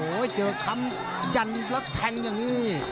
เจอคำยันแล้วแทงอย่างนี้